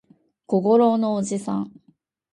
小五郎のおじさん